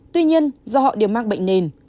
tuy nhiên do họ đều mang bệnh nền